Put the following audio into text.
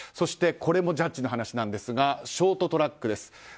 これもジャッジの話ですがショートトラックです。